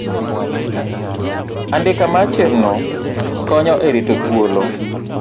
Andika mar Chenro konyo e rito thuolo.